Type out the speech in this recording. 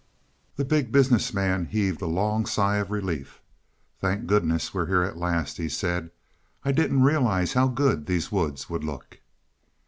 The Big Business Man heaved a long sigh of relief. "Thank goodness we're here at last," he said. "I didn't realize how good these woods would look."